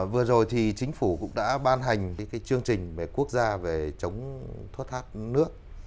vừa rồi thì chính phủ cũng đã ban hành cái chương trình về quốc gia về chống thoát nước